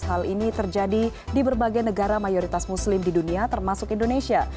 hal ini terjadi di berbagai negara mayoritas muslim di dunia termasuk indonesia